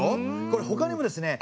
これほかにもですね